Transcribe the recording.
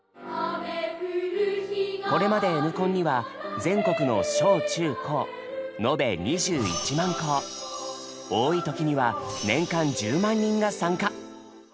これまで「Ｎコン」には全国の小・中・高多い時には年間１０万人が参加。